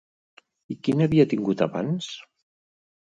I quin havia tingut abans?